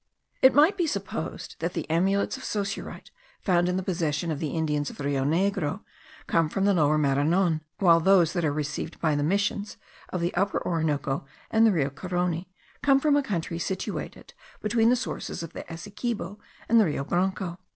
It might be supposed that the amulets of saussurite found in the possession of the Indians of the Rio Negro, come from the Lower Maranon, while those that are received by the missions of the Upper Orinoco and the Rio Carony come from a country situated between the sources of the Essequibo and the Rio Branco.